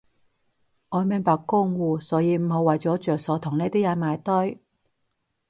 我明白江湖，所以唔好為咗着數同呢啲人埋堆